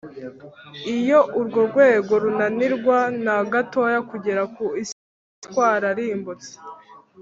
iyo urwo rwego runanirwa na gatoya kugera ku isi, tuba twararimbutse